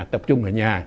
tập trung ở nhà